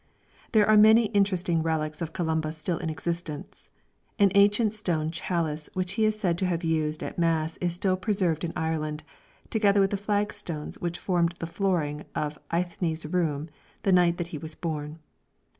There are many interesting relics of Columba still in existence. An ancient stone chalice which he is said to have used at Mass is still preserved in Ireland, together with the flagstone which formed the flooring of Eithne's room the night that he was born.